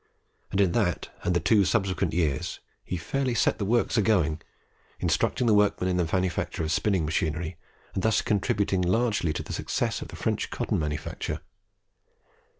and in that and the two subsequent years he fairly set the works a going, instructing the workmen in the manufacture of spinning machinery, and thus contributing largely to the success of the French cotton manufacture.